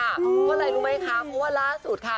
วันไรรู้ไหมคะเพราะว่าล่าสุดค่ะ